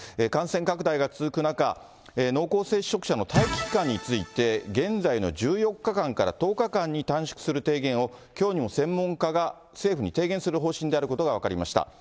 感染拡大が続く中、濃厚接触者の待機期間について、現在の１４日間から１０日間に短縮する提言を、きょうにも専門家が政府に提言する方針であることが分かりました。